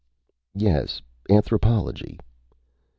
"Yes. Anthropology."